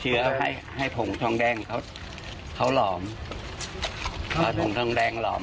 เชื้อให้ให้ผงทองแดงเขาเขาหลอมเขาผงทองแดงหลอม